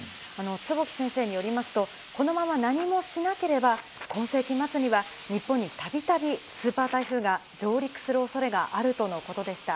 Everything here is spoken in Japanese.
坪木先生によりますと、このまま何もしなければ、今世紀末には日本にたびたびスーパー台風が上陸するおそれがあるとのことでした。